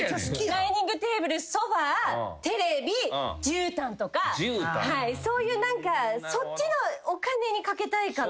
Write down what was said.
ダイニングテーブルソファテレビじゅうたんとかそういう何かそっちのお金にかけたいかなって。